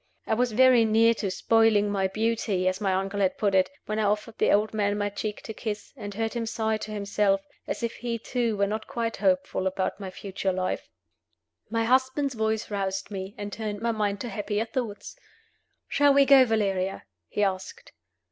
I was very near to "spoiling my beauty" (as my uncle had put it) when I offered the old man my cheek to kiss, and heard him sigh to himself, as if he too were not quite hopeful about my future life. My husband's voice roused me, and turned my mind to happier thoughts. "Shall we go, Valeria?" he asked.